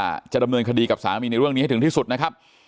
ว่าจะดำเนินคดีกับสามีในเรื่องนี้ให้ถึงที่สุดนะครับ